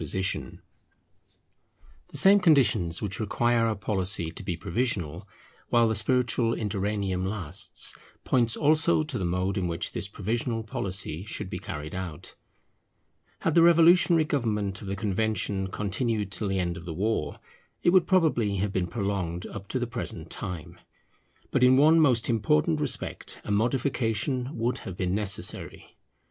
[Politically what is wanted is Dictatorship, with liberty of speech and discussion] The same conditions which require our policy to be provisional while the spiritual interregnum lasts, point also to the mode in which this provisional policy should be carried out. Had the revolutionary government of the Convention continued till the end of the war, it would probably have been prolonged up to the present time. But in one most important respect a modification would have been necessary.